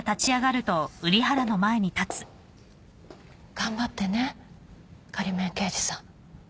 頑張ってね仮免刑事さん。